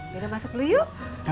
dada masuk dulu yuk